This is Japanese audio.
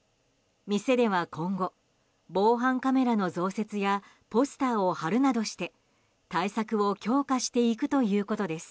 店では今後、防犯カメラの増設やポスターを貼るなどして対策を強化していくということです。